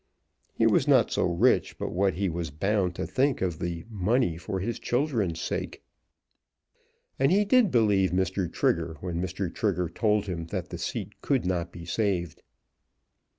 He was not so rich but what he was bound to think of the money, for his children's sake. And he did believe Mr. Trigger, when Mr. Trigger told him that the seat could not be saved.